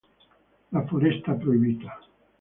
La foresta proibita